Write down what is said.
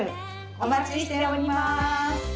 お待ちしております。